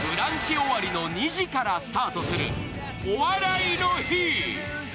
終わりの２時からスタートする「お笑いの日」。